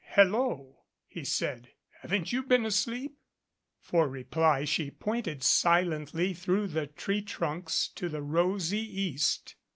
"Hello!" he said. "Haven't you been asleep?" For reply she pointed silently through the tree trunks to the rosy East.